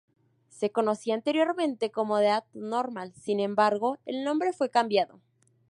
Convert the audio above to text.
Se conocía anteriormente como "Dead Normal", sin embargo el nombre fue cambiado.